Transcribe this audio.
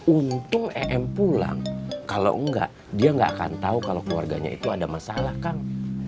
untung em pulang kalau enggak dia nggak akan tahu kalau keluarganya itu ada masalah kang